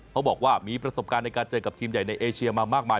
เขาบอกว่ามีประสบการณ์ในการเจอกับทีมใหญ่ในเอเชียมามากมาย